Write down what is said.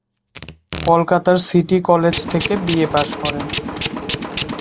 কলকাতার city college থেকে BA পাশ করেন।